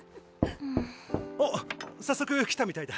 ・おっ早速来たみたいだ。